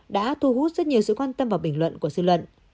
đã thu hút rất nhiều sự quan tâm và bình luận của dư luận